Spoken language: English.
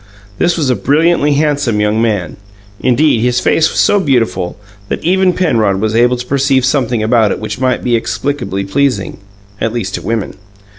This was a brilliantly handsome young man; indeed, his face was so beautiful that even Penrod was able to perceive something about it which might be explicably pleasing at least to women.